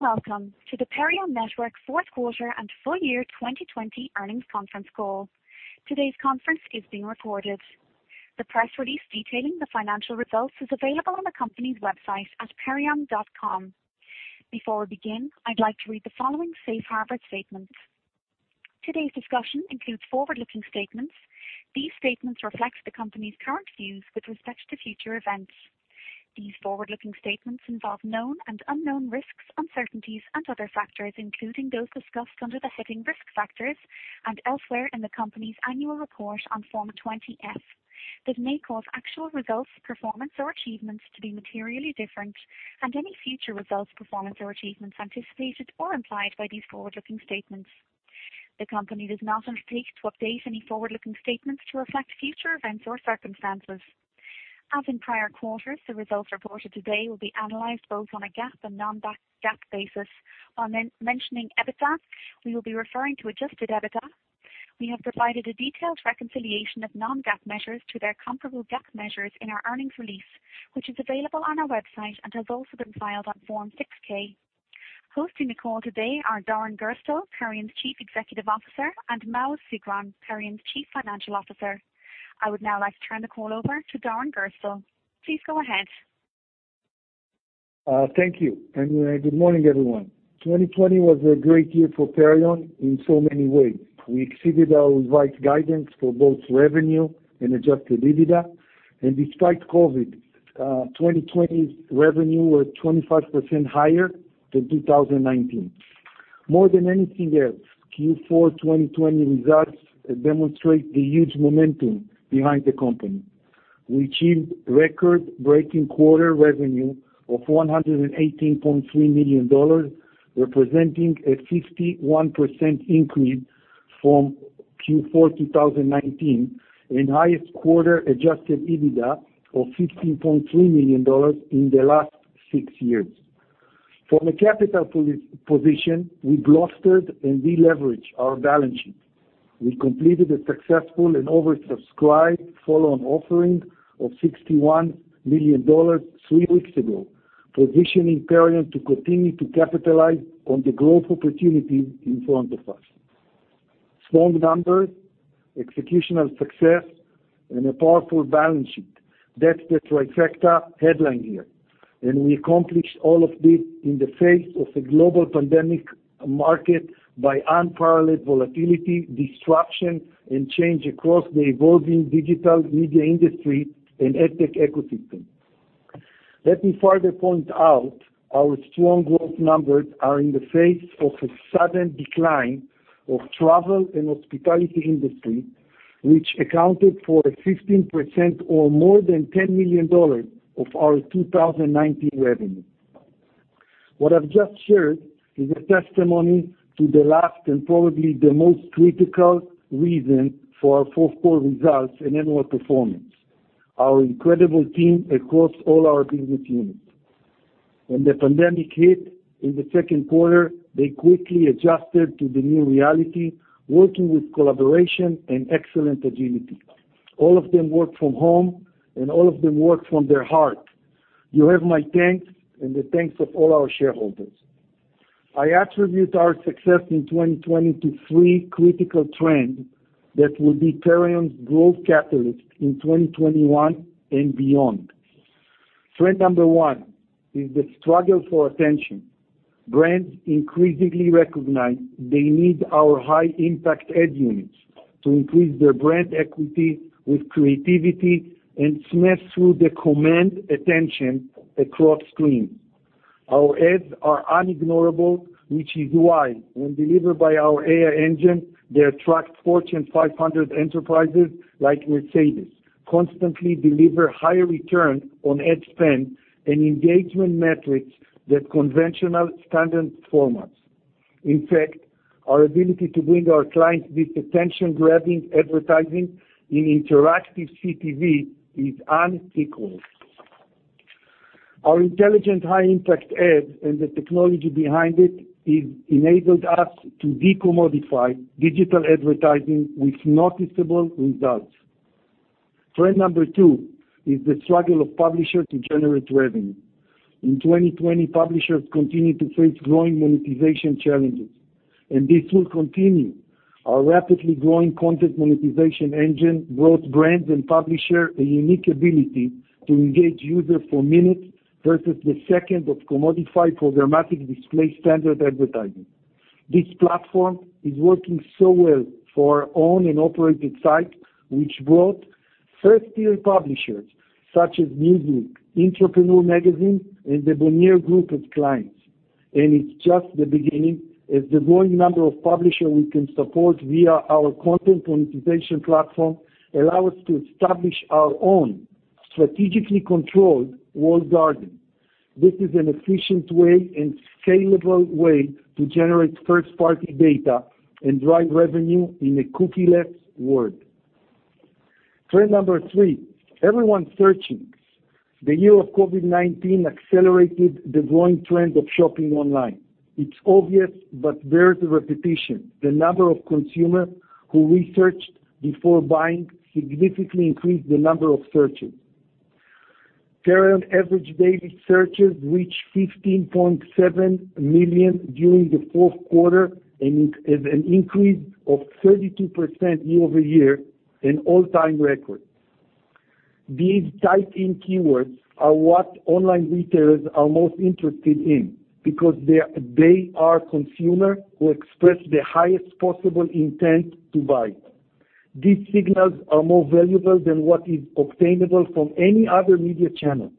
Welcome to the Perion Network fourth quarter and full year 2020 earnings conference call. Today's conference is being recorded. The press release detailing the financial results is available on the company's website at perion.com. Before we begin, I'd like to read the following safe harbor statement. Today's discussion includes forward-looking statements. These statements reflect the company's current views with respect to future events. These forward-looking statements involve known and unknown risks, uncertainties, and other factors, including those discussed under the heading Risk Factors and elsewhere in the company's annual report on Form 20-F that may cause actual results, performance, or achievements to be materially different and any future results, performance, or achievements anticipated or implied by these forward-looking statements. The company does not undertake to update any forward-looking statements to reflect future events or circumstances. As in prior quarters, the results reported today will be analyzed both on a GAAP and non-GAAP basis. While mentioning EBITDA, we will be referring to Adjusted EBITDA. We have provided a detailed reconciliation of non-GAAP measures to their comparable GAAP measures in our earnings release, which is available on our website and has also been filed on Form 6-K. Hosting the call today are Doron Gerstel, Perion's Chief Executive Officer, and Maoz Sigron, Perion's Chief Financial Officer. I would now like to turn the call over to Doron Gerstel. Please go ahead. Thank you, and good morning, everyone. 2020 was a great year for Perion in so many ways. We exceeded our revised guidance for both revenue and Adjusted EBITDA. Despite COVID, 2020 revenue was 25% higher than 2019. More than anything else, Q4 2020 results demonstrate the huge momentum behind the company. We achieved record-breaking quarter revenue of $118.3 million, representing a 51% increase from Q4 2019, and highest quarter Adjusted EBITDA of $15.3 million in the last six years. From a capital position, we bolstered and deleveraged our balance sheet. We completed a successful and oversubscribed follow-on offering of $61 million three weeks ago, positioning Perion to continue to capitalize on the growth opportunities in front of us. Strong numbers, executional success, and a powerful balance sheet. That's the trifecta headline here. We accomplished all of this in the face of a global pandemic marked by unparalleled volatility, disruption, and change across the evolving digital media industry and ad tech ecosystem. Let me further point out our strong growth numbers are in the face of a sudden decline of travel and hospitality industry, which accounted for 15% or more than $10 million of our 2019 revenue. What I've just shared is a testimony to the last and probably the most critical reason for our fourth quarter results and annual performance, our incredible team across all our business units. When the pandemic hit in the second quarter, they quickly adjusted to the new reality, working with collaboration and excellent agility. All of them work from home, and all of them work from their heart. You have my thanks and the thanks of all our shareholders. I attribute our success in 2020 to three critical trends that will be Perion's growth catalyst in 2021 and beyond. Trend number one is the struggle for attention. Brands increasingly recognize they need our high-impact ad units to increase their brand equity with creativity and smash through the command attention across screens. Our ads are unignorable, which is why when delivered by our AI engine, they attract Fortune 500 enterprises like Mercedes, constantly deliver higher return on ad spend and engagement metrics than conventional standard formats. In fact, our ability to bring our clients this attention-grabbing advertising in interactive CTV is unequaled. Our intelligent high-impact ads and the technology behind it has enabled us to decommodify digital advertising with noticeable results. Trend number two is the struggle of publishers to generate revenue. In 2020, publishers continued to face growing monetization challenges, and this will continue. Our rapidly growing content monetization engine brought brands and publishers a unique ability to engage users for minutes versus the second of commodified programmatic display standard advertising. This platform is working so well for our own and operated site, which brought first-tier publishers such as Newsweek, Entrepreneur magazine, and the Bonnier Group of clients. It's just the beginning as the growing number of publishers we can support via our content monetization platform allow us to establish our own strategically controlled walled garden. This is an efficient way and scalable way to generate first-party data and drive revenue in a cookie-less world. Trend number three, everyone's searching. The year of COVID-19 accelerated the growing trend of shopping online. It's obvious, bears a repetition. The number of consumers who researched before buying significantly increased the number of searches. Perion average daily searches reached 15.7 million during the fourth quarter, and it is an increase of 32% year-over-year, an all-time record. These typed-in keywords are what online retailers are most interested in because they are consumer who express the highest possible intent to buy. These signals are more valuable than what is obtainable from any other media channel.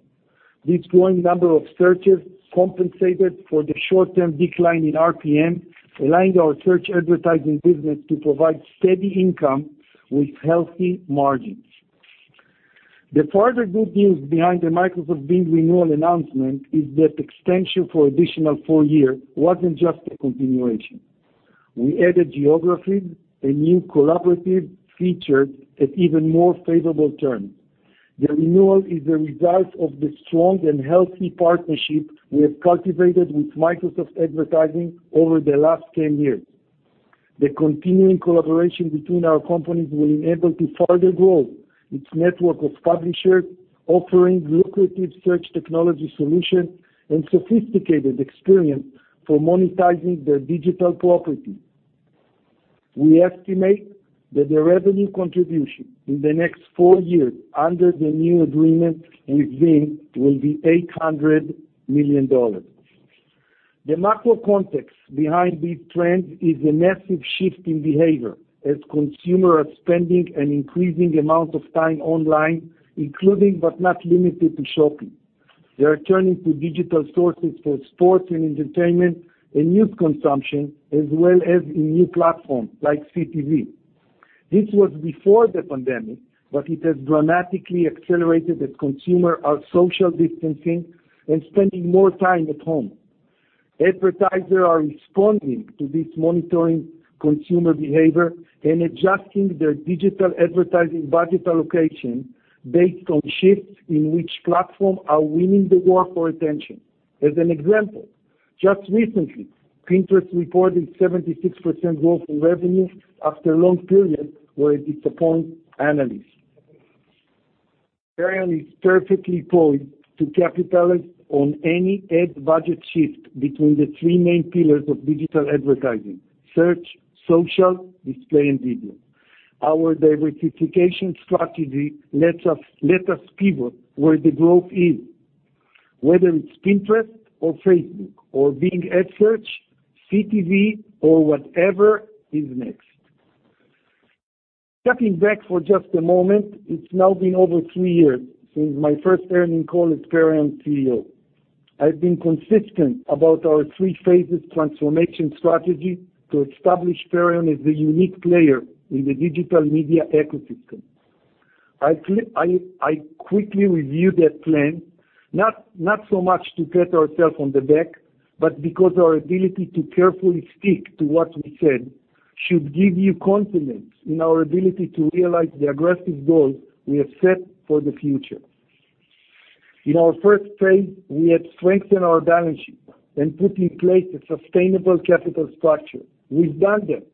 This growing number of searches compensated for the short-term decline in RPM, allowing our search advertising business to provide steady income with healthy margins. The further good news behind the Microsoft Bing renewal announcement is that extension for additional four year wasn't just a continuation. We added geographies, a new collaborative feature, and even more favorable terms. The renewal is a result of the strong and healthy partnership we have cultivated with Microsoft Advertising over the last 10 years. The continuing collaboration between our companies will enable to further grow its network of publishers, offering lucrative search technology solution, and sophisticated experience for monetizing their digital property. We estimate that the revenue contribution in the next four years under the new agreement with Bing will be $800 million. The macro context behind these trends is a massive shift in behavior as consumer are spending an increasing amount of time online, including, but not limited to shopping. They are turning to digital sources for sports and entertainment and news consumption, as well as in new platforms like CTV. This was before the pandemic, but it has dramatically accelerated as consumer are social distancing and spending more time at home. Advertisers are responding to this, monitoring consumer behavior and adjusting their digital advertising budget allocation based on shifts in which platforms are winning the war for attention. As an example, just recently, Pinterest reported 76% growth in revenue after a long period where it disappointed analysts. Perion is perfectly poised to capitalize on any ad budget shift between the three main pillars of digital advertising, search, social, display and video. Our diversification strategy lets us pivot where the growth is, whether it's Pinterest or Facebook or Bing Ad Search, CTV, or whatever is next. Stepping back for just a moment, it's now been over three years since my first earnings call as Perion CEO. I've been consistent about our three phases transformation strategy to establish Perion as a unique player in the digital media ecosystem. I quickly review that plan, not so much to pat ourselves on the back, but because our ability to carefully stick to what we said should give you confidence in our ability to realize the aggressive goals we have set for the future. In our first phase, we had strengthened our balance sheet and put in place a sustainable capital structure. We've done that.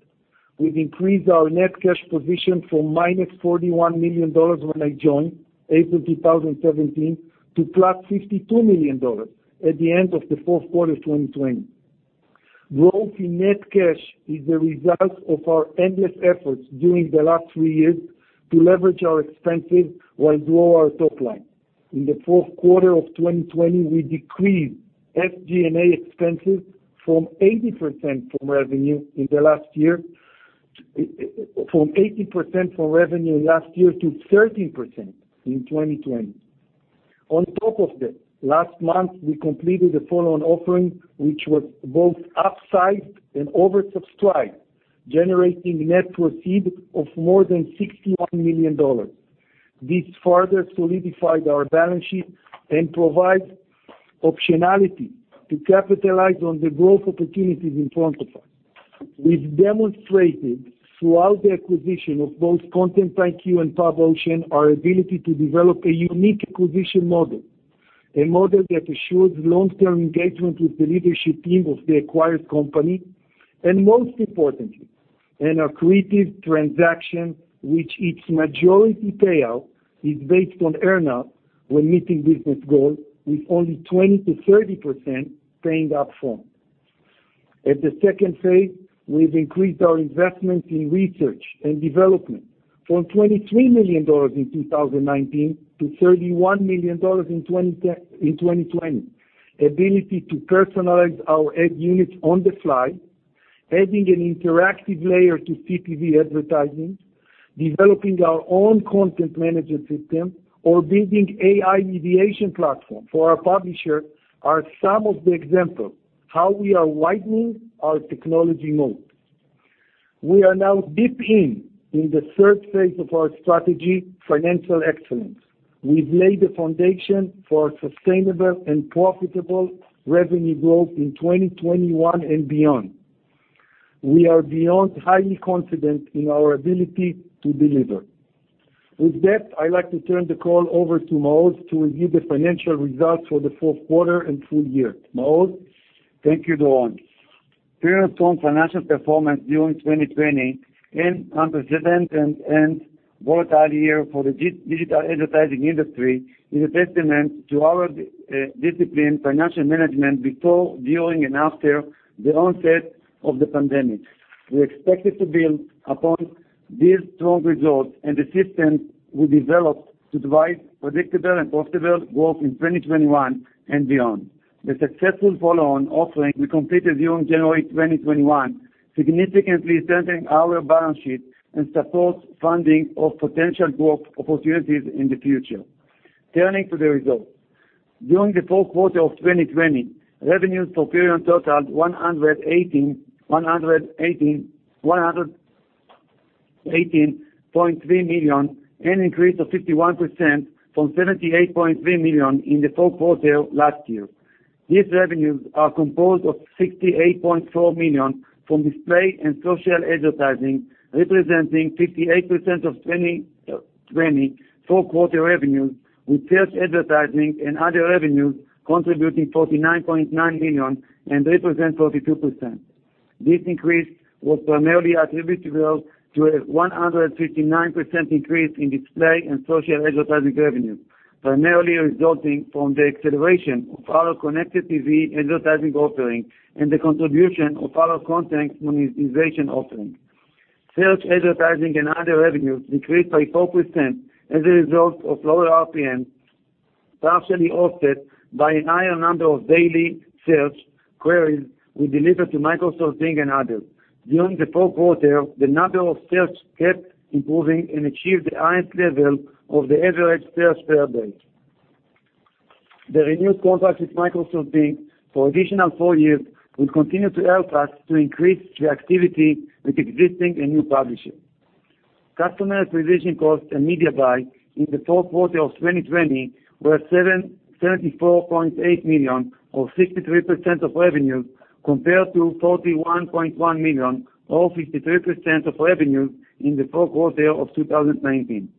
We've increased our net cash position from -$41 million when I joined, April 2017, to +$52 million at the end of the fourth quarter 2020. Growth in net cash is the result of our endless efforts during the last three years to leverage our expenses while grow our top line. In the fourth quarter of 2020, we decreased SG&A expenses from 18% from revenue in the last year to 13% in 2020. On top of that, last month, we completed a follow-on offering, which was both upsized and oversubscribed, generating net proceeds of more than $61 million. This further solidified our balance sheet and provided optionality to capitalize on the growth opportunities in front of us. We've demonstrated throughout the acquisition of both Content IQ and Pub Ocean, our ability to develop a unique acquisition model, a model that assures long-term engagement with the leadership team of the acquired company, and most importantly, an accretive transaction which its majority payout is based on earn-out when meeting business goals with only 20%-30% paying up front. At the second phase, we've increased our investment in research and development from $23 million in 2019 to $31 million in 2020. Ability to personalize our ad units on the fly, adding an interactive layer to CTV advertising, developing our own content management system, or building AI mediation platform for our publisher are some of the example how we are widening our technology moat. We are now deep in the third phase of our strategy, financial excellence. We've laid the foundation for sustainable and profitable revenue growth in 2021 and beyond. We are beyond highly confident in our ability to deliver. With that, I'd like to turn the call over to Maoz to review the financial results for the fourth quarter and full year. Maoz? Thank you, Doron. Perion's strong financial performance during 2020, in unprecedented and volatile year for the digital advertising industry, is a testament to our disciplined financial management before, during, and after the onset of the pandemic. We expected to build upon these strong results and the systems we developed to drive predictable and profitable growth in 2021 and beyond. The successful follow-on offering we completed during January 2021, significantly strengthening our balance sheet and supports funding of potential growth opportunities in the future. Turning to the results. During the fourth quarter of 2020, revenues for Perion totaled $118.3 million, an increase of 51% from $78.3 million in the fourth quarter last year. These revenues are composed of $68.4 million from display and social advertising, representing 58% of 2020 full-quarter revenues, with search advertising and other revenues contributing $49.9 million and represent 42%. This increase was primarily attributable to a 159% increase in display and social advertising revenues, primarily resulting from the acceleration of our connected TV advertising offering and the contribution of our content monetization offering. Search advertising and other revenues decreased by 4% as a result of lower RPMs, partially offset by a higher number of daily search queries we deliver to Microsoft Bing and others. During the fourth quarter, the number of search kept improving and achieved the highest level of the average search per day. The renewed contract with Microsoft Bing for additional four years will continue to help us to increase the activity with existing and new publishers. Customer acquisition costs and media buy in the fourth quarter of 2020 were $74.8 million, or 63% of revenues, compared to $41.1 million, or 53% of revenues in the fourth quarter of 2019.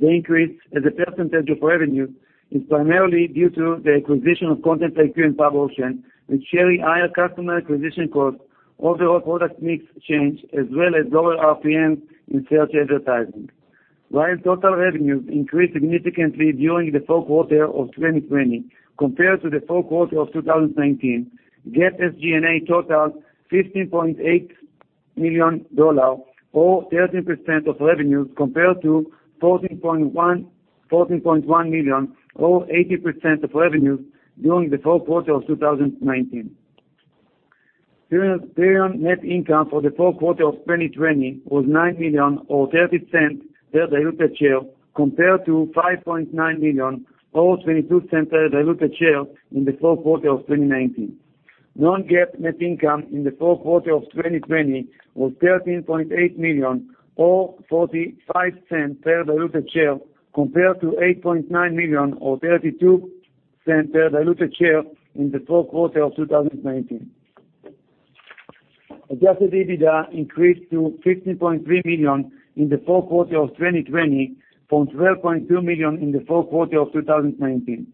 The increase as a percentage of revenue is primarily due to the acquisition of Content IQ and Pub Ocean, with sharing higher customer acquisition costs, overall product mix change, as well as lower RPMs in search advertising. While total revenues increased significantly during the fourth quarter of 2020 compared to the fourth quarter of 2019, GAAP SG&A totaled $15.8 million, or 13% of revenues, compared to $14.1 million, or 18% of revenues during the fourth quarter of 2019. Perion net income for the fourth quarter of 2020 was $9 million, or $0.30 per diluted share, compared to $5.9 million, or $0.22 per diluted share in the fourth quarter of 2019. Non-GAAP net income in the fourth quarter of 2020 was $13.8 million, or $0.45 per diluted share, compared to $8.9 million, or $0.32 per diluted share in the fourth quarter of 2019. Adjusted EBITDA increased to $15.3 million in the fourth quarter of 2020 from $12.2 million in the fourth quarter of 2019.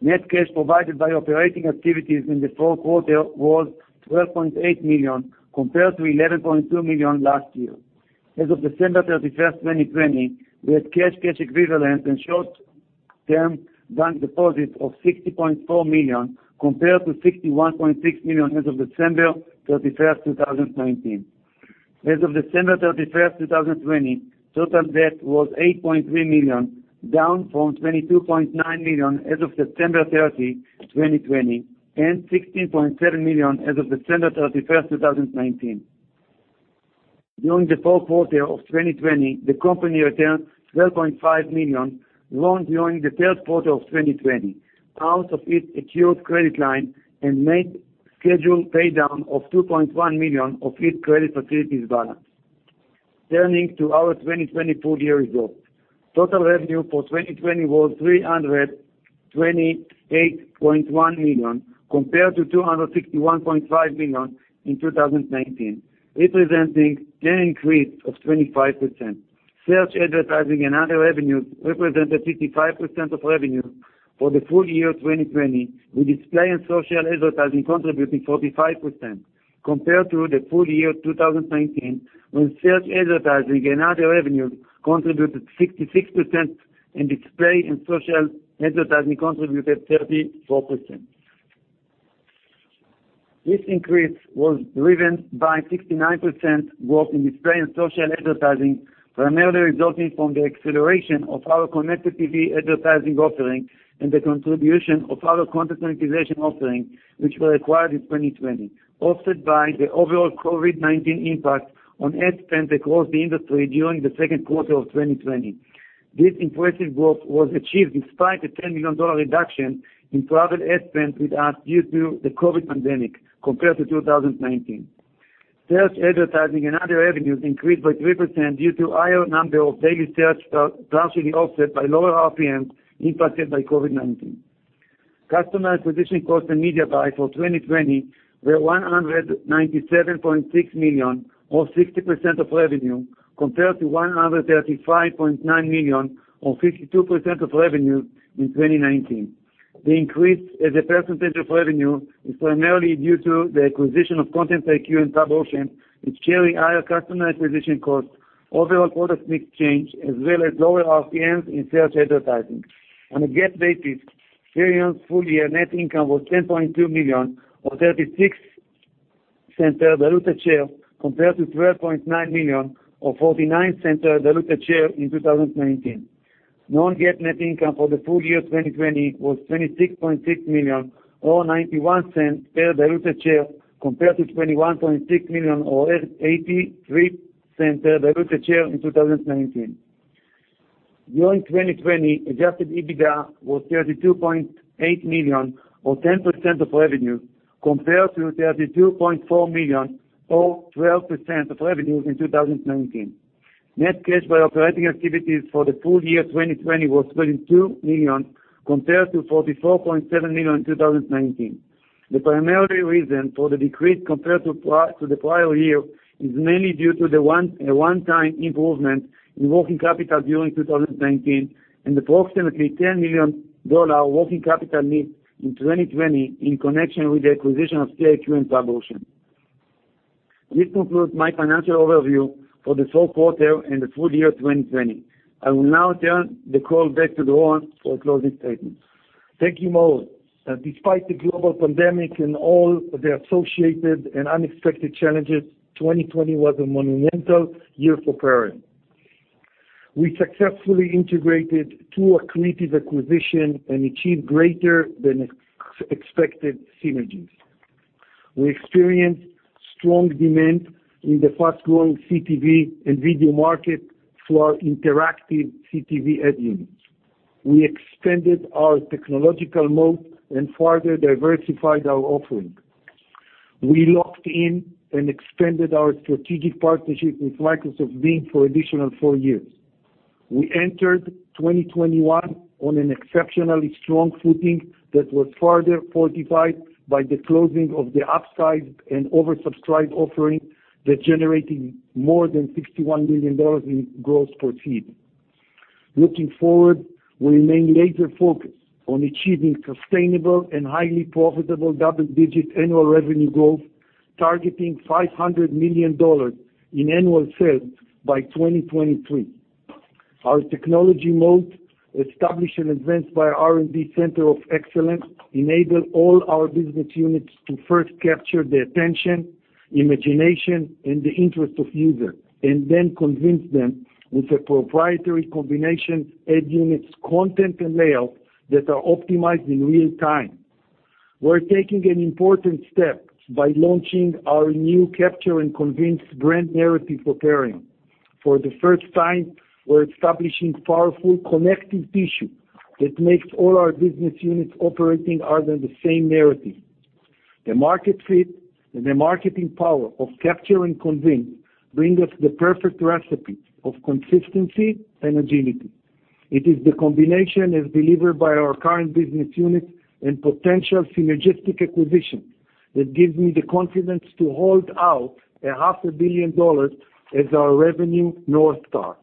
Net cash provided by operating activities in the fourth quarter was $12.8 million compared to $11.2 million last year. As of December 31st, 2020, we had cash equivalents, and short-term bank deposits of $60.4 million, compared to $61.6 million as of December 31st, 2019. As of December 31st, 2020, total debt was $8.3 million, down from $22.9 million as of September 30, 2020, and $16.7 million as of December 31st, 2019. During the fourth quarter of 2020, the company returned $12.5 million loaned during the third quarter of 2020, out of its secured credit line and made scheduled pay down of $2.1 million of its credit facilities balance. Turning to our 2020 full year results. Total revenue for 2020 was $328.1 million compared to $261.5 million in 2019, representing the increase of 25%. Search advertising and other revenues represented 55% of revenue for the full year 2020, with display and social advertising contributing 45%, compared to the full year 2019, when search advertising and other revenues contributed 66%, and display and social advertising contributed 34%. This increase was driven by 69% growth in display and social advertising, primarily resulting from the acceleration of our connected TV advertising offering and the contribution of our content monetization offering, which were acquired in 2020, offset by the overall COVID-19 impact on ad spend across the industry during the second quarter of 2020. This impressive growth was achieved despite a $10 million reduction in travel ad spend with us due to the COVID pandemic compared to 2019. Search advertising and other revenues increased by 3% due to higher number of daily search, partially offset by lower RPMs impacted by COVID-19. Customer acquisition costs and media buy for 2020 were $197.6 million, or 60% of revenue, compared to $135.9 million, or 52% of revenue in 2019. The increase as a percentage of revenue is primarily due to the acquisition of Content IQ and Pub Ocean, which carry higher customer acquisition costs, overall product mix change, as well as lower RPMs in search advertising. On a GAAP basis, Perion's full-year net income was $10.2 million, or $0.36 per diluted share, compared to $12.9 million or $0.49 per diluted share in 2019. Non-GAAP net income for the full year 2020 was $26.6 million or $0.91 per diluted share, compared to $21.6 million or $0.83 per diluted share in 2019. During 2020, adjusted EBITDA was $32.8 million or 10% of revenue, compared to $32.4 million or 12% of revenue in 2019. Net cash by operating activities for the full year 2020 was $22 million, compared to $44.7 million in 2019. The primary reason for the decrease compared to the prior year is mainly due to the one-time improvement in working capital during 2019 and approximately $10 million working capital needs in 2020 in connection with the acquisition of Content IQ and Pub Ocean. This concludes my financial overview for the fourth quarter and the full year 2020. I will now turn the call back to Doron for closing statements. Thank you, Maoz. Despite the global pandemic and all the associated and unexpected challenges, 2020 was a monumental year for Perion Network. We successfully integrated two accretive acquisitions and achieved greater than expected synergies. We experienced strong demand in the fast-growing CTV and video market for our interactive CTV ad units. We expanded our technological moat and further diversified our offering. We locked in and expanded our strategic partnership with Microsoft Bing for an additional four years. We entered 2021 on an exceptionally strong footing that was further fortified by the closing of the upsized and oversubscribed offering that generated more than $61 million in gross proceeds. Looking forward, we remain laser-focused on achieving sustainable and highly profitable double-digit annual revenue growth, targeting $500 million in annual sales by 2023. Our technology moat, established and advanced by our R&D Center of Excellence, enable all our business units to first capture the attention, imagination, and the interest of users, and then convince them with a proprietary combination ad units, content, and layout that are optimized in real-time. We're taking an important step by launching our new Capture and Convince brand narrative for Perion. For the first time, we're establishing powerful connective tissue that makes all our business units operating under the same narrative. The market fit and the marketing power of Capture and Convince bring us the perfect recipe of consistency and agility. It is the combination as delivered by our current business units and potential synergistic acquisitions that gives me the confidence to hold out a half a billion dollars as our revenue North Star.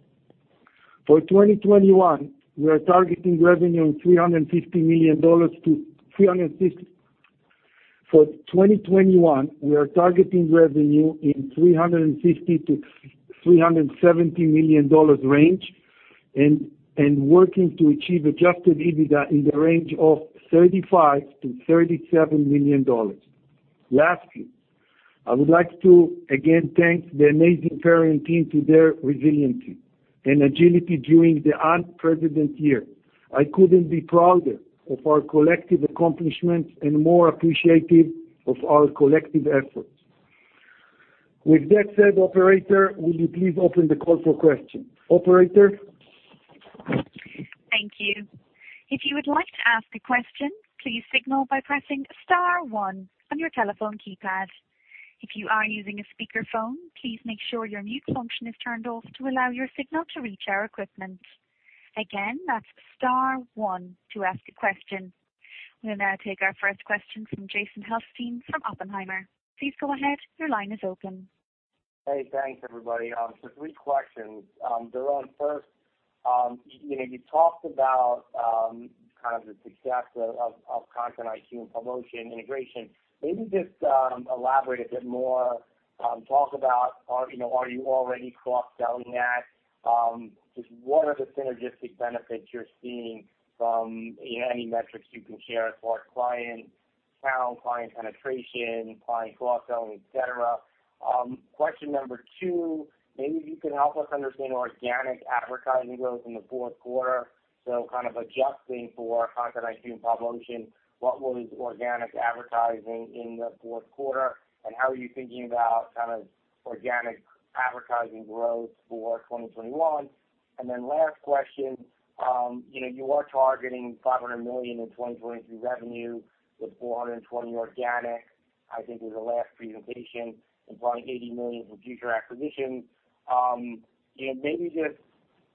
For 2021, we are targeting revenue in $350 million-$370 million range and working to achieve adjusted EBITDA in the range of $35 million-$37 million. I would like to again thank the amazing Perion team to their resiliency and agility during the unprecedented year. I couldn't be prouder of our collective accomplishments and more appreciative of our collective efforts. With that said, operator, would you please open the call for questions. Operator? Thank you if you would like to ask question please signal by pressing star one on your telephone keypad if you are using speaker phone make sure your mute function is turned off to allow your signal to reach our equipment. Again star one to ask question. We'll now take our first question from Jason Helfstein from Oppenheimer. Hey, thanks, everybody. Three questions. Doron, first, you talked about the success of ContentIQ and Pub Ocean integration. Maybe just elaborate a bit more, talk about are you already cross-selling that? Just what are the synergistic benefits you're seeing from any metrics you can share as far as client count, client penetration, client cross-selling, et cetera. Question number two, maybe you can help us understand organic advertising growth in the fourth quarter. Adjusting for ContentIQ and Pub Ocean, what was organic advertising in the fourth quarter, and how are you thinking about organic advertising growth for 2021? Last question, you are targeting $500 million in 2023 revenue with $420 million organic, I think was the last presentation, and probably $80 million from future acquisitions. Maybe just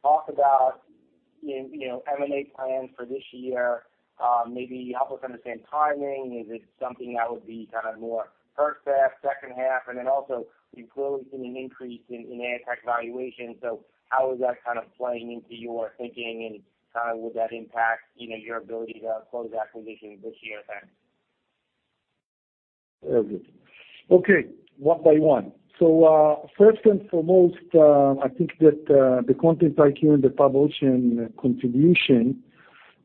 talk about M&A plans for this year. Maybe help us understand timing. Is it something that would be more first half, second half? You've quoted an increase in ad tech valuation, how is that playing into your thinking, and would that impact your ability to close acquisitions this year? Thanks. Very good. Okay, one by one. First and foremost, I think that the Content IQ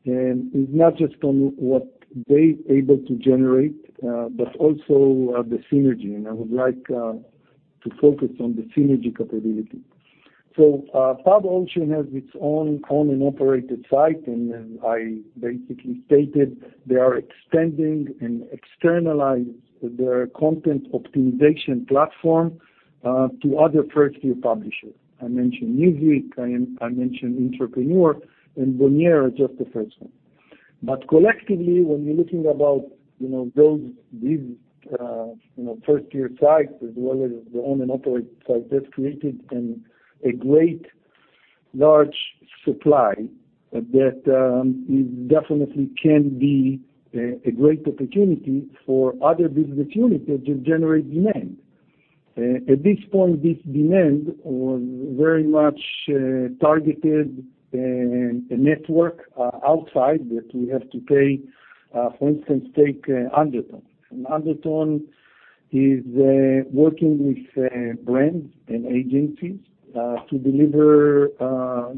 and the Pub Ocean contribution is not just on what they're able to generate, but also the synergy. I would like to focus on the synergy capability. Pub Ocean has its own owned and operated site, and then I basically stated they are extending and externalizing their content optimization platform to other first-tier publishers. I mentioned Newsweek, I mentioned Entrepreneur, and Bonnier is just the first one. Collectively, when you're looking about these first-tier sites, as well as the own-and-operate sites, that's created a great large supply that definitely can be a great opportunity for other business units that generate demand. At this point, this demand was very much targeted a network outside that we have to pay. For instance, take Undertone. Undertone is working with brands and agencies to deliver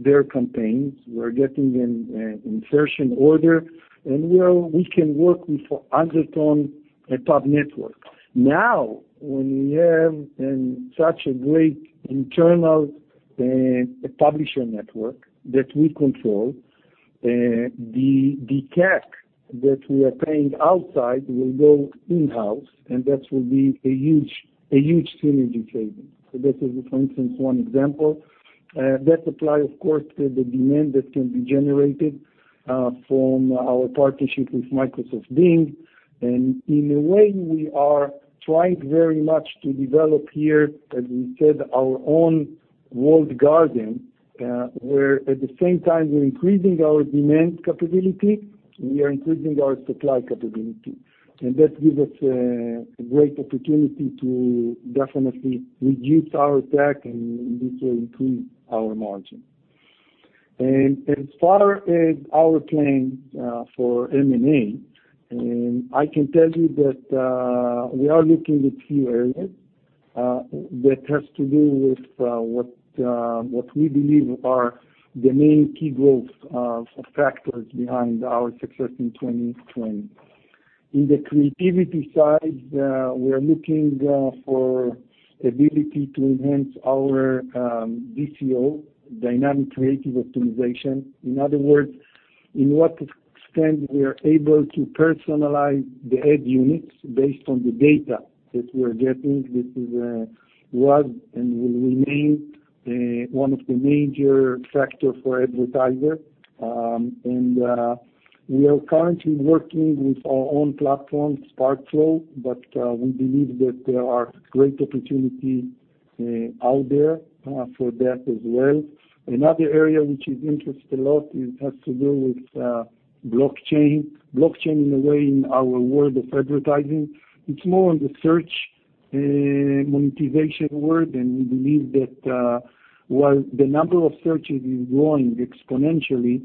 their campaigns. We're getting an insertion order, and we can work with Undertone top network. When we have such a great internal publisher network that we control, the CAC that we are paying outside will go in-house, and that will be a huge synergy saving. That is, for instance, one example. That applies, of course, to the demand that can be generated from our partnership with Microsoft Bing. In a way, we are trying very much to develop here, as we said, our own walled garden, where at the same time we're increasing our demand capability, we are increasing our supply capability. That gives us a great opportunity to definitely reduce our CAC and this will improve our margin. As far as our plan for M&A, I can tell you that we are looking at few areas that has to do with what we believe are the main key growth factors behind our success in 2020. In the creativity side, we are looking for ability to enhance our DCO, Dynamic Creative Optimization. In other words, in what extent we are able to personalize the ad units based on the data that we are getting. This was and will remain one of the major factor for advertisers. We are currently working with our own platform, Sparkflow, but we believe that there are great opportunity out there for that as well. Another area which is interest a lot, it has to do with blockchain. Blockchain in a way, in our world of advertising, it's more on the search monetization world. We believe that while the number of searches is growing exponentially,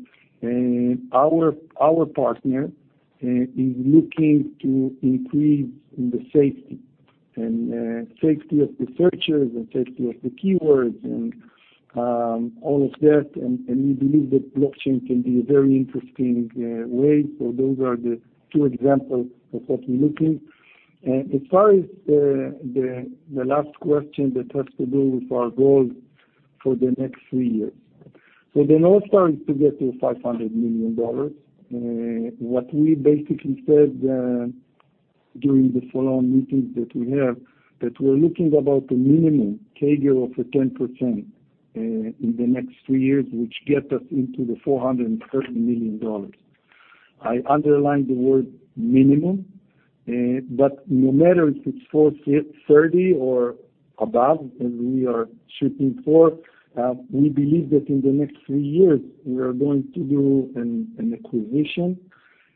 our partner is looking to increase in the safety, and safety of the searchers and safety of the keywords and all of that. We believe that blockchain can be a very interesting way. Those are the two examples of what we're looking. As far as the last question that has to do with our goal for the next three years. The North Star is to get to $500 million. What we basically said during the follow-on meetings that we have, that we're looking about a minimum CAGR of a 10% in the next three years, which gets us into the $430 million. I underline the word minimum, but no matter if it's 430 or above. We are shooting for, we believe that in the next three years, we are going to do an acquisition.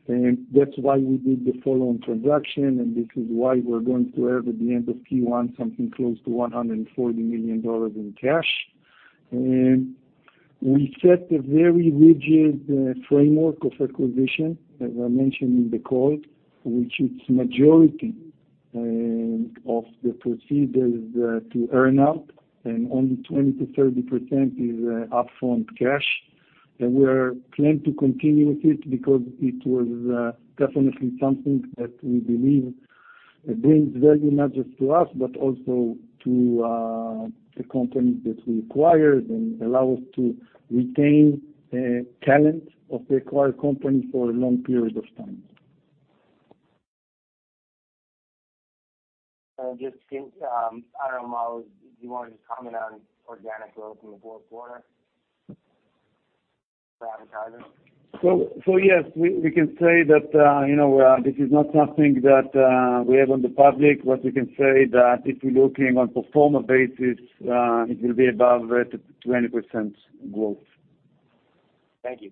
That's why we did the follow-on transaction. This is why we're going to have at the end of Q1 something close to $140 million in cash. We set a very rigid framework of acquisition, as I mentioned in the call, which its majority of the proceeds is to earn out, and only 20%-30% is upfront cash. We are planning to continue with it because it was definitely something that we believe brings value not just to us, but also to the companies that we acquire and allow us to retain talent of the acquired company for a long period of time. Just, I don't know, Maoz, do you want to just comment on organic growth in the fourth quarter for advertisers? Yes, we can say that this is not something that we have on the public, but we can say that if we're looking on pro forma basis, it will be above 20% growth. Thank you.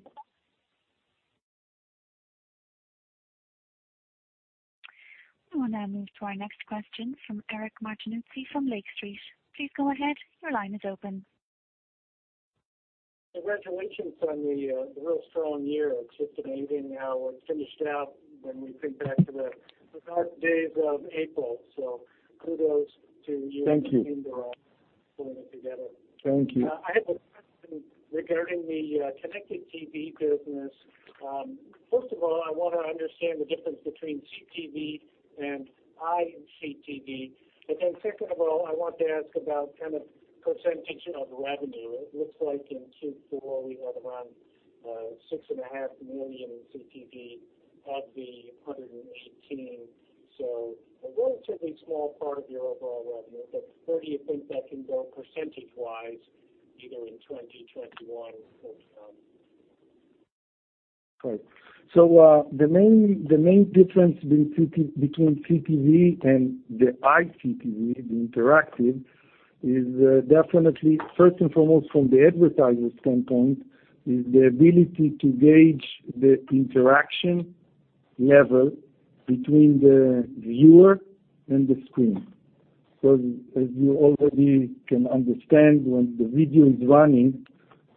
I will now move to our next question from Eric Martinuzzi from Lake Street. Please go ahead, your line is open. Congratulations on the real strong year. It is just amazing how it finished out when we think back to the dark days of April. Kudos to you. Thank you. Thank your team for pulling it together. Thank you. I have a question regarding the connected TV business. First of all, I want to understand the difference between CTV and iCTV. Second of all, I want to ask about percentage of revenue. It looks like in Q4, we had around six and a half million in CTV of the $118 million, so a relatively small part of your overall revenue. Where do you think that can go percentagewise, either in 2021 or beyond? The main difference between CTV and the iCTV, the interactive, is definitely, first and foremost from the advertiser standpoint, is the ability to gauge the interaction level between the viewer and the screen. As you already can understand, when the video is running,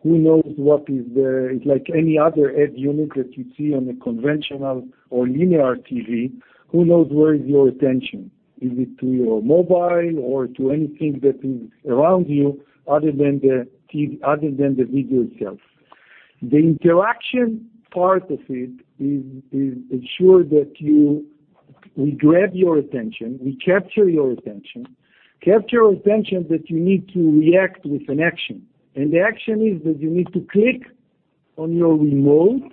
who knows what is there. It's like any other ad unit that you see on a conventional or linear TV, who knows where is your attention? Is it to your mobile or to anything that is around you other than the video itself? The interaction part of it ensures that we grab your attention, we capture your attention. Capture your attention that you need to react with an action. The action is that you need to click on your remote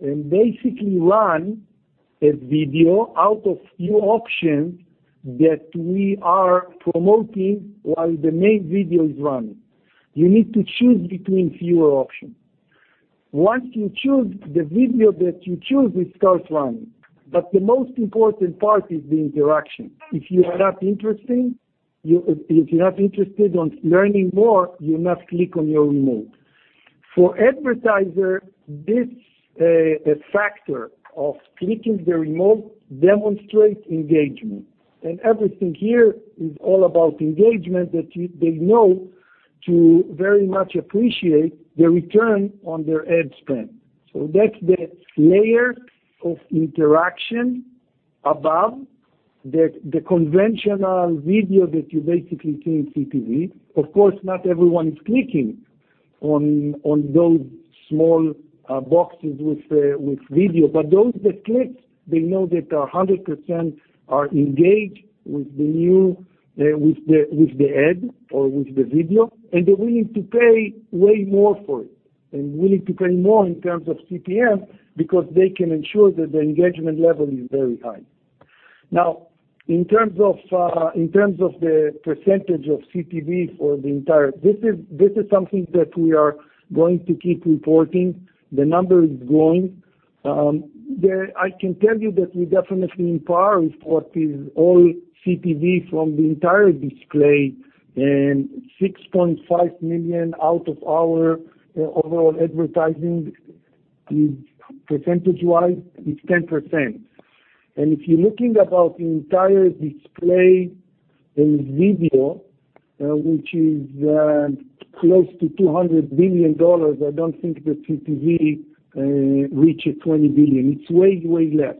and basically run a video out of few options that we are promoting while the main video is running. You need to choose between fewer options. Once you choose, the video that you choose starts running. The most important part is the interaction. If you are not interested on learning more, you must click on your remote. For advertiser, this factor of clicking the remote demonstrates engagement. Everything here is all about engagement that they know to very much appreciate the return on their ad spend. That's the layer of interaction above the conventional video that you basically see in CTV. Of course, not everyone is clicking on those small boxes with video. Those that click, they know that 100% are engaged with the ad or with the video, and they're willing to pay way more for it, and willing to pay more in terms of CPM because they can ensure that the engagement level is very high. In terms of the percentage of CTV, this is something that we are going to keep reporting. The number is growing. I can tell you that we definitely, in our report, is all CTV from the entire display, $6.5 million out of our overall advertising is percentage-wise is 10%. If you're looking about the entire display in video, which is close to $200 billion, I don't think the CTV reaches $20 billion. It's way less.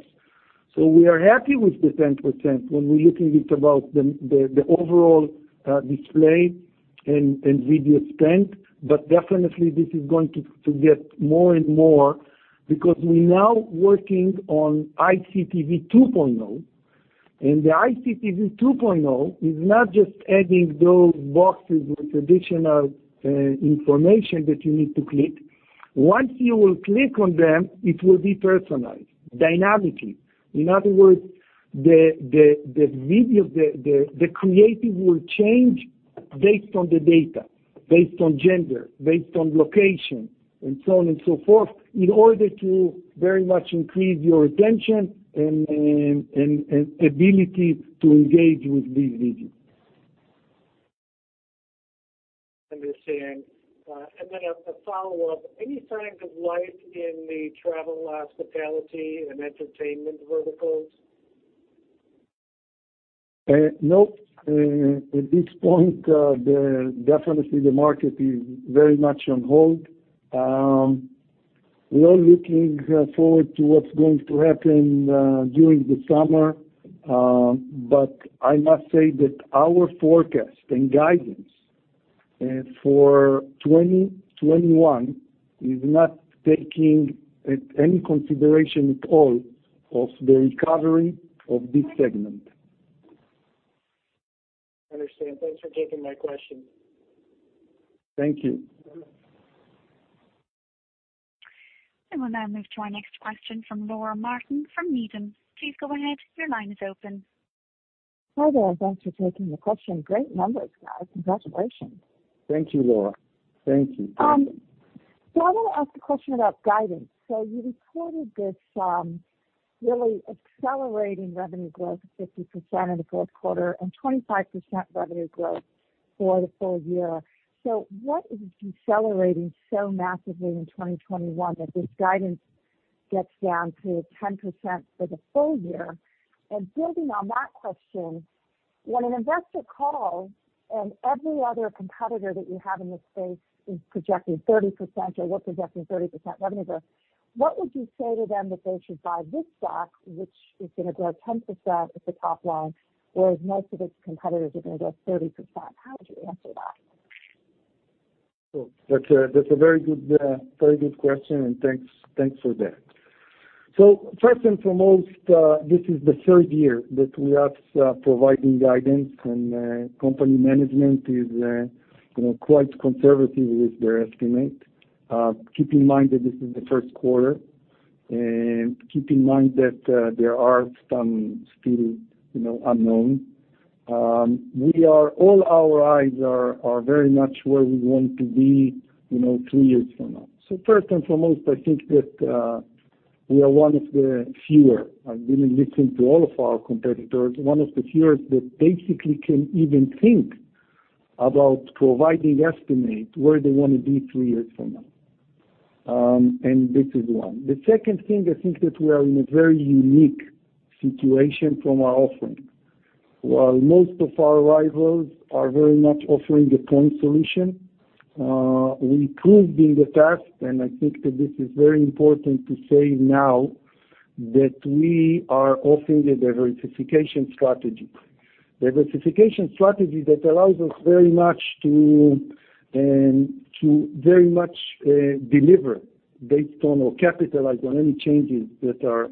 We are happy with the 10% when we're looking it about the overall display and video spend. Definitely, this is going to get more and more because we're now working on iCTV 2.0, the iCTV 2.0 is not just adding those boxes with additional information that you need to click. Once you will click on them, it will be personalized dynamically. In other words, the video, the creative will change based on the data, based on gender, based on location, and so on and so forth, in order to very much increase your attention and ability to engage with these videos. Understand. Then a follow-up, any signs of life in the travel, hospitality, and entertainment verticals? Nope. At this point, definitely the market is very much on hold. We are looking forward to what's going to happen during the summer, but I must say that our forecast and guidance for 2021 is not taking any consideration at all of the recovery of this segment. Understand. Thanks for taking my question. Thank you. We'll now move to our next question from Laura Martin from Needham. Please go ahead, your line is open. Hi there, and thanks for taking the question. Great numbers, guys. Congratulations. Thank you, Laura. Thank you. I want to ask a question about guidance. You reported this really accelerating revenue growth of 50% in the fourth quarter and 25% revenue growth for the full year. What is accelerating so massively in 2021 that this guidance gets down to 10% for the full year. Building on that question, when an investor calls and every other competitor that you have in this space is projecting 30% or was projecting 30% revenue growth, what would you say to them that they should buy this stock, which is going to grow 10% at the top line, whereas most of its competitors are going to grow 30%? How would you answer that? That's a very good question, and thanks for that. First and foremost, this is the third year that we are providing guidance, and company management is quite conservative with their estimate. Keep in mind that this is the first quarter, and keep in mind that there are some still unknowns. All our eyes are very much where we want to be two years from now. First and foremost, I think that we are one of the fewer, having listened to all of our competitors, one of the fewer that basically can even think about providing estimate where they want to be three years from now. This is one. The second thing, I think that we are in a very unique situation from our offering. While most of our rivals are very much offering the point solution, we proved in the test, and I think that this is very important to say now, that we are offering the diversification strategy. The diversification strategy that allows us to very much deliver based on or capitalize on any changes that are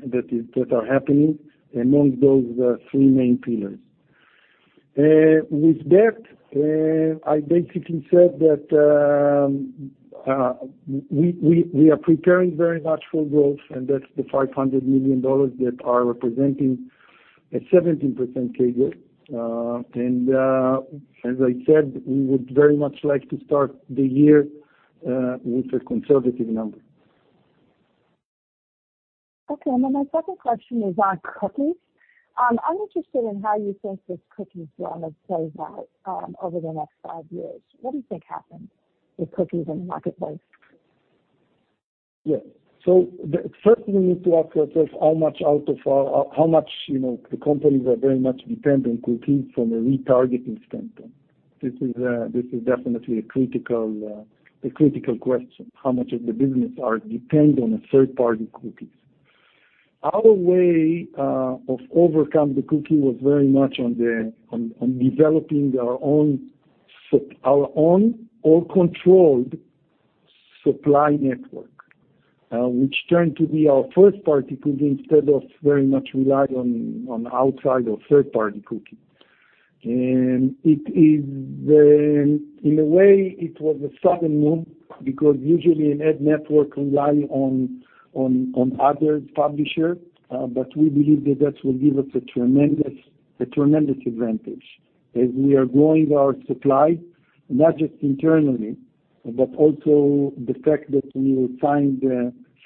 happening among those three main pillars. With that, I basically said that we are preparing very much for growth, and that's the $500 million that are representing a 17% CAGR. As I said, we would very much like to start the year with a conservative number. Okay. My second question is on cookies. I am interested in how you think this cookie drama plays out over the next five years. What do you think happens with cookies in the marketplace? Yeah. First, we need to address how much the companies are very much dependent on cookies from a retargeting standpoint. This is definitely the critical question, how much of the business depends on third-party cookies. Our way of overcoming the cookie was very much on developing our own or controlled supply network, which turned to be our first-party cookie, instead of very much relying on outside or third-party cookie. In a way, it was a sudden move because usually an ad network relies on other publishers, but we believe that will give us a tremendous advantage as we are growing our supply, not just internally, but also the fact that we will find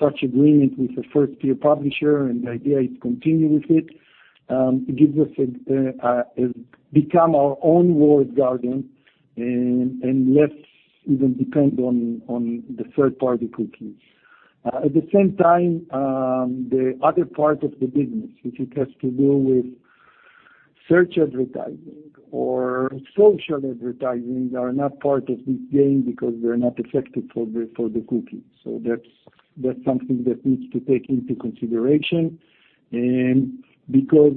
such agreement with a first-tier publisher. The idea is to continue with it. It gives us to become our own walled garden and less even dependent on the third-party cookies. At the same time, the other part of the business, which has to do with search advertising or social advertising, are not part of this game because they're not affected for the cookies. That's something that needs to take into consideration. Because,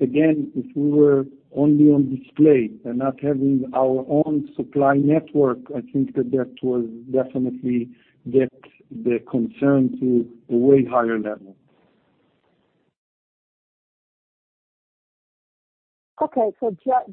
again, if we were only on display and not having our own supply network, I think that would definitely get the concern to a way higher level. Okay.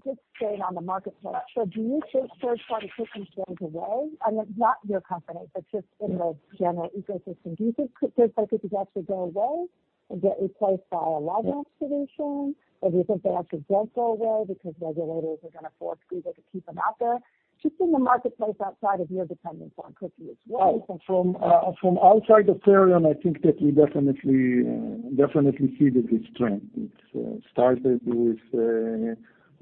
Just staying on the marketplace. Do you think third-party cookies goes away? I mean, not your company, but just in the general ecosystem. Do you think third-party cookies actually go away and get replaced by a login solution? Do you think they actually don't go away because regulators are going to force Google to keep them out there? Just in the marketplace outside of your dependence on cookies as well. From outside of Perion, I think that we definitely see that it's a trend. It started with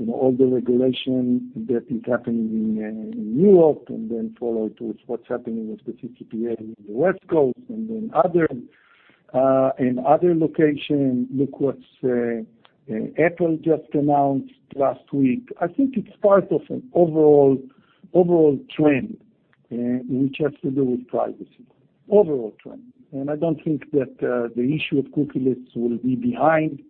all the regulation that is happening in Europe and then followed with what's happening with the CCPA in the West Coast and in other locations. Look what Apple just announced last week. I think it's part of an overall trend, which has to do with privacy. Overall trend. I don't think that the issue of cookieless will be behind.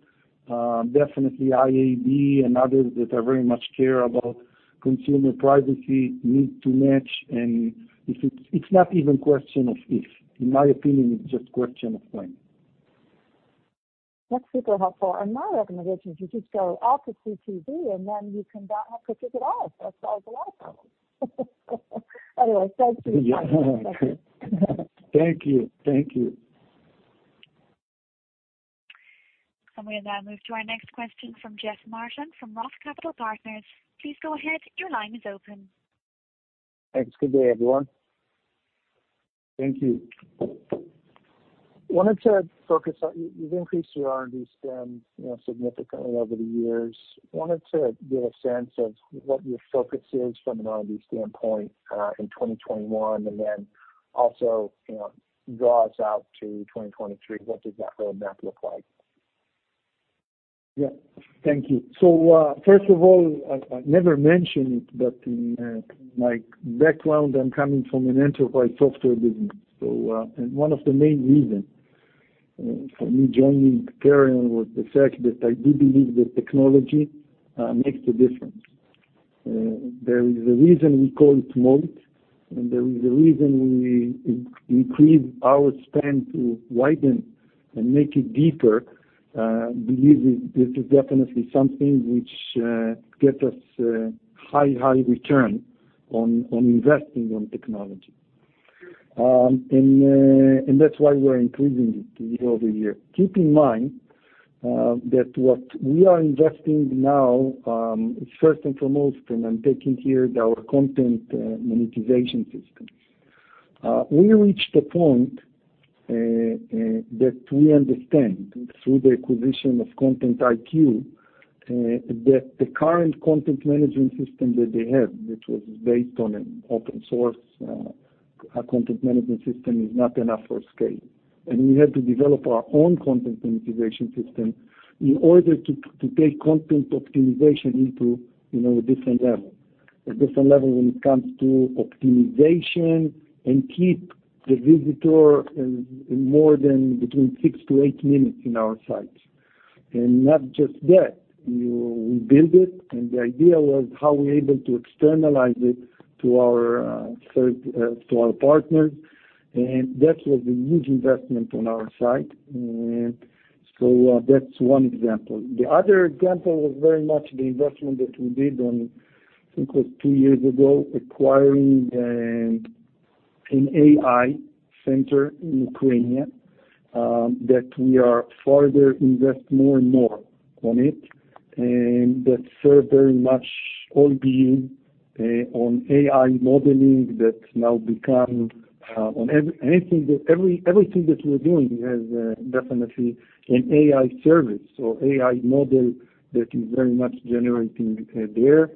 Definitely IAB and others that very much care about consumer privacy need to match. It's not even a question of if. In my opinion, it's just a question of when. That's super helpful. My recommendation is you just go off of CTV, and then you can not have cookies at all. That solves a lot of problems. Anyway, thank you. Yeah. Thank you. We'll now move to our next question from Jeff Martin from Roth Capital Partners. Please go ahead, your line is open. Thanks. Good day, everyone. Thank you. You've increased your R&D spend significantly over the years. I wanted to get a sense of what your focus is from an R&D standpoint in 2021, and then also draw us out to 2023. What does that roadmap look like? Yeah. Thank you. First of all, I never mentioned it, but in my background, I'm coming from an enterprise software business. One of the main reasons for me joining Perion was the fact that I do believe that technology makes a difference. There is a reason we call it moat, and there is a reason we increase our spend to widen and make it deeper. I believe this is definitely something which gets us high return on investing on technology. That's why we're increasing it year-over-year. Keep in mind that what we are investing now, first and foremost, and I'm taking here our content monetization system. We reached a point that we understand through the acquisition of Content IQ, that the current content management system that they have, which was based on an open source content management system, is not enough for scale. We had to develop our own content monetization system in order to take content optimization into a different level. A different level when it comes to optimization and keep the visitor in more than between six to eight minutes in our sites. Not just that, we build it, and the idea was how we able to externalize it to our partners, and that was a huge investment on our side. That's one example. The other example was very much the investment that we did on, I think it was two years ago, acquiring an AI center in Ukraine, that we are further invest more and more on it. That serve very much all being on AI modeling that now become on everything that we're doing has definitely an AI service or AI model that is very much generating there.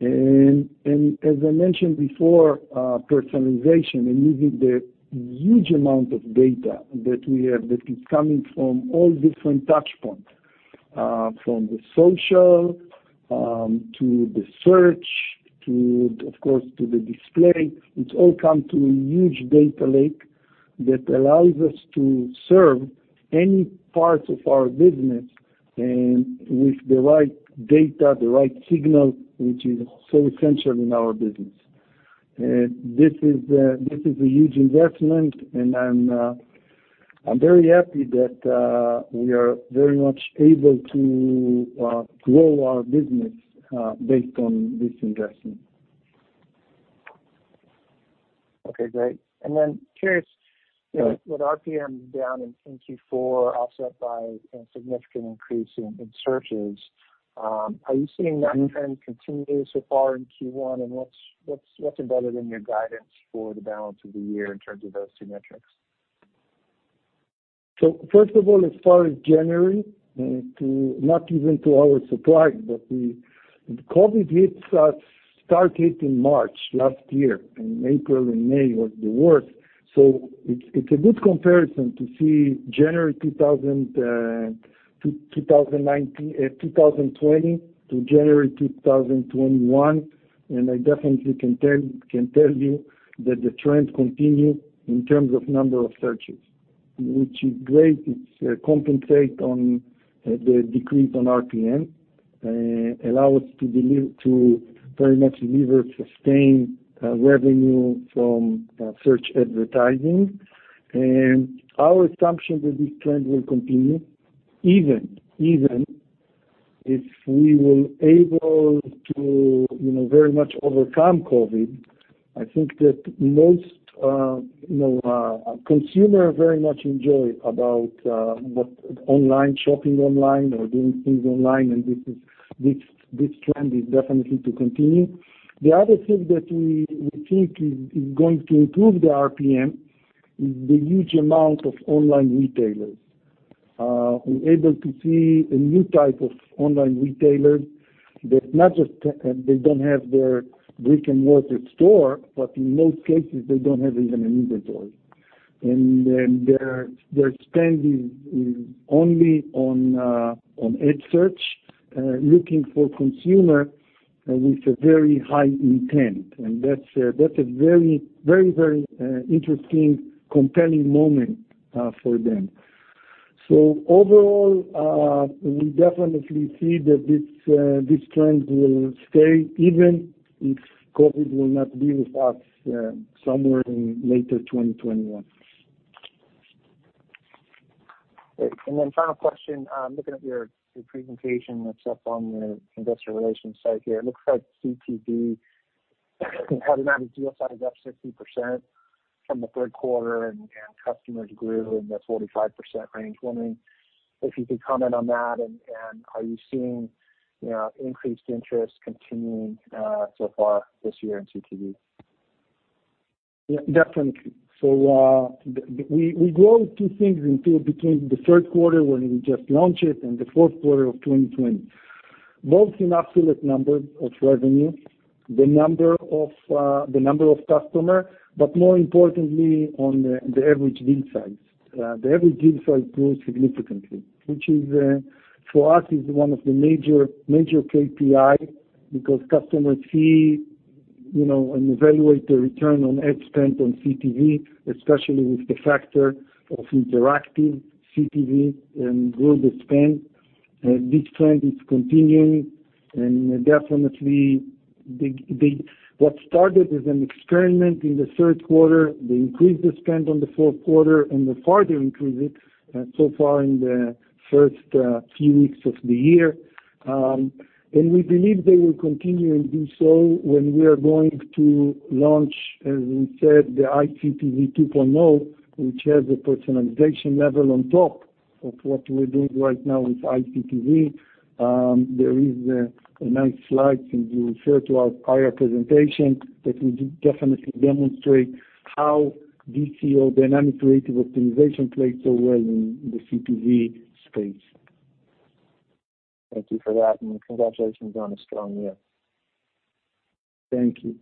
As I mentioned before, personalization and using the huge amount of data that we have that is coming from all different touch points, from the social, to the search, to, of course, to the display. It all come to a huge data lake that allows us to serve any parts of our business, and with the right data, the right signal, which is so essential in our business. This is a huge investment and I am very happy that we are very much able to grow our business based on this investment. Okay, great. Yeah with RPM down in Q4 offset by a significant increase in searches, are you seeing that trend continue so far in Q1 and what's embedded in your guidance for the balance of the year in terms of those two metrics? First of all, as far as January, to not even to our surprise, but the COVID hits us, started in March last year, and April and May was the worst. It's a good comparison to see January 2020 to January 2021, and I definitely can tell you that the trend continue in terms of number of searches, which is great. It compensate on the decrease on RPM, allow us to very much deliver sustained revenue from search advertising. Our assumption that this trend will continue even if we will able to very much overcome COVID, I think that most consumers very much enjoy about online shopping or doing things online, and this trend is definitely to continue. The other thing that we think is going to improve the RPM is the huge amount of online retailers. We're able to see a new type of online retailer that they don't have their brick-and-mortar store, but in most cases, they don't have even an inventory. Their spend is only on ad search, looking for consumer with a very high intent. That's a very, very interesting, compelling moment for them. Overall, we definitely see that this trend will stay even if COVID will not be with us somewhere in later 2021. Great. Final question, looking at your presentation that's up on the investor relations site here, it looks like CTV automatic deal size is up 60% from the third quarter and customers grew in the 45% range. I'm wondering if you could comment on that and are you seeing increased interest continuing so far this year in CTV? Yeah, definitely. We grow two things between the third quarter when we just launched it and the fourth quarter of 2020. Both in absolute numbers of revenue, the number of customer, but more importantly, on the average deal size. The average deal size grows significantly, which for us, is one of the major KPI because customers see, and evaluate the return on ad spend on CTV, especially with the factor of interactive CTV and global spend. This trend is continuing. Definitely what started as an experiment in the third quarter, they increased the spend on the fourth quarter and they further increased it so far in the first few weeks of the year. We believe they will continue and do so when we are going to launch, as we said, the iCTV 2.0, which has a personalization level on top of what we're doing right now with iCTV. There is a nice slide, if you refer to our prior presentation, that we definitely demonstrate how DCO, Dynamic Creative Optimization, plays so well in the CTV space. Thank you for that. Congratulations on a strong year. Thank you.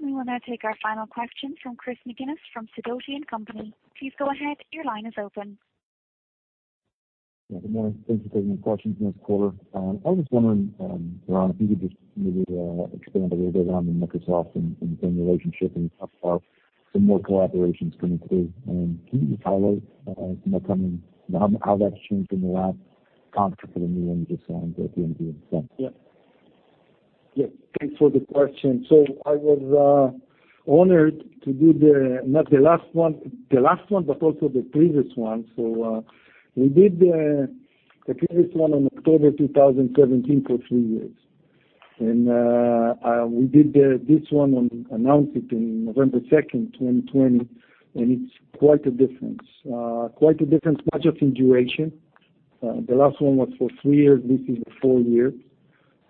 We will now take our final question from Chris McGinnis from Sidoti & Company. Please go ahead, your line is open. Yeah, good morning. Thanks for taking the questions this quarter. I was just wondering, Doron, if you could just maybe expand a little bit on the Microsoft and Perion relationship and how far some more collaboration is coming through. Can you just highlight how that's changed in the last contract for the new one you just signed at the end of June? Thanks. Yeah. Thanks for the question. I was honored to do the last one, but also the previous one. We did the previous one on October 2017 for three years. We did this one, announced it in November 2nd, 2020, and it's quite a difference. Quite a difference much of in duration. The last one was for three years, this is four years.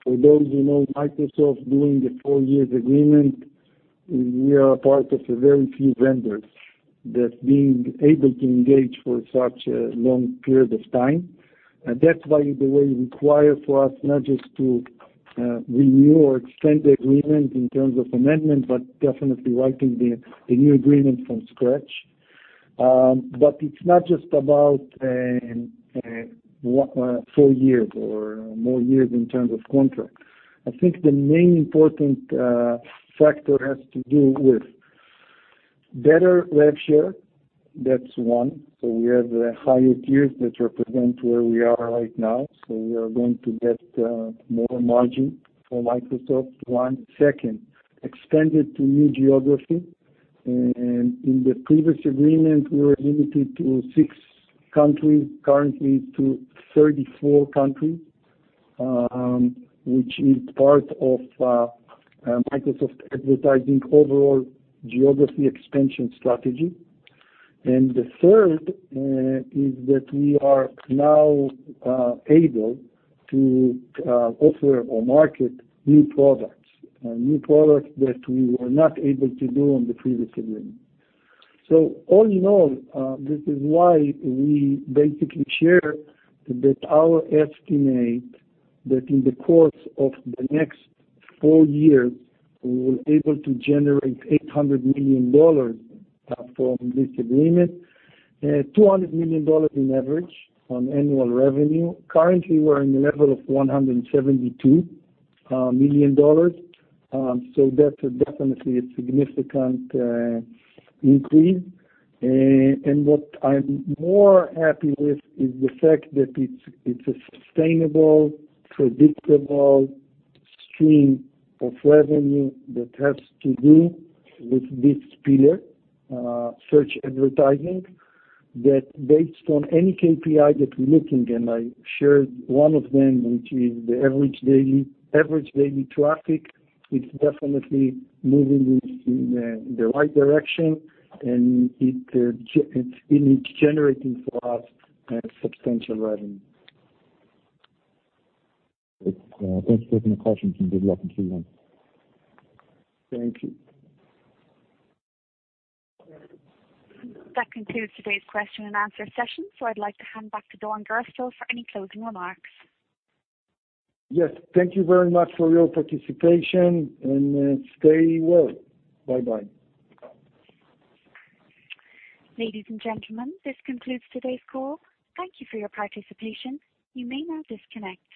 For those who know Microsoft, doing the four years agreement, we are a part of a very few vendors that being able to engage for such a long period of time. That's why it really require for us not just to renew or extend the agreement in terms of amendment, but definitely writing the new agreement from scratch. It's not just about four years or more years in terms of contract. I think the main important factor has to do with better rev share. That's one. We have the higher tiers that represent where we are right now. We are going to get more margin for Microsoft, one. Second, expanded to new geography. In the previous agreement, we were limited to six countries, currently to 34 countries, which is part of Microsoft Advertising overall geography expansion strategy. The third is that we are now able to offer or market new products, new products that we were not able to do on the previous agreement. All in all, this is why we basically share that our estimate that in the course of the next four years, we will be able to generate $800 million from this agreement, $200 million in average on annual revenue. Currently, we're in the level of $172 million. That's definitely a significant increase. What I'm more happy with is the fact that it's a sustainable, predictable stream of revenue that has to do with this pillar, search advertising, that based on any KPI that we're looking, and I shared one of them, which is the average daily traffic, it's definitely moving in the right direction, and it's generating for us substantial revenue. Great. Thanks for taking the question, and good luck in Q1. Thank you. That concludes today's question-and-answer session. I'd like to hand back to Doron Gerstel for any closing remarks. Yes. Thank you very much for your participation. Stay well. Bye-bye. Ladies and gentlemen, this concludes today's call. Thank you for your participation. You may now disconnect.